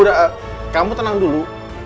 udah udah kamu tenang dulu